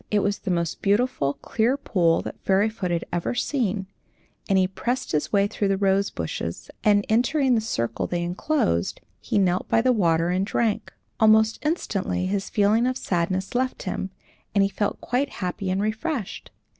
It was the most beautiful, clear pool that Fairyfoot had ever seen, and he pressed his way through the rose branches, and, entering the circle they inclosed, he knelt by the water and drank. Almost instantly his feeling of sadness left him, and he felt quite happy and refreshed.